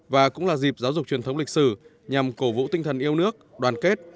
và cũng là dịp giáo dục truyền thống lịch sử nhằm cổ vũ tinh thần yêu nước đoàn kết